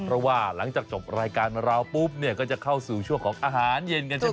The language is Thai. เพราะว่าหลังจากจบรายการของเราปุ๊บเนี่ยก็จะเข้าสู่ช่วงของอาหารเย็นกันใช่ไหม